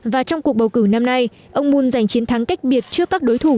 và trong cuộc bầu cử năm nay ông moon giành chiến thắng cách biệt trước các đối thủ